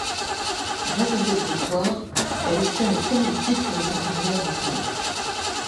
Grâce à cette victoire, elle obtient le premier titre de sa carrière en simple.